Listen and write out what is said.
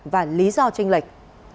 và lý do tranh lệch